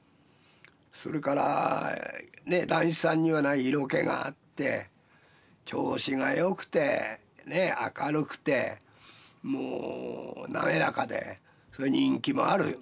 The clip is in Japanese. それから談志さんにはない色気があって調子がよくて明るくてもう滑らかで人気もある。